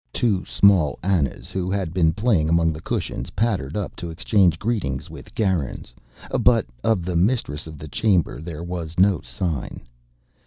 Two small Anas, who had been playing among the cushions, pattered up to exchange greetings with Garin's. But of the mistress of the chamber there was no sign.